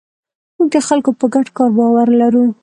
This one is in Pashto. موږ د خلکو په ګډ کار باور لرو.